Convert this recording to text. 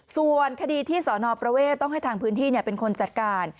ส่วนคดีที่สอนอประเวทต้องให้ทางพื้นที่เป็นคนจัดการ